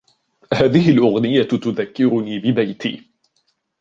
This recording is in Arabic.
هذه الأغنية تذكرني ببيتي.